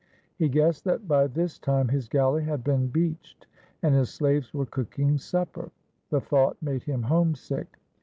He guessed that by this time his galley had been beached and his slaves were cooking supper. The thought made him homesick.